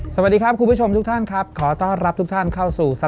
สวัสดีครับคุณผู้ชมทุกท่านครับขอต้อนรับทุกท่านเข้าสู่